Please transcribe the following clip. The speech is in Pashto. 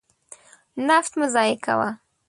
نفت مه ضایع کوه.